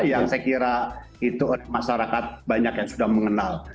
yang saya kira itu masyarakat banyak yang sudah mengenal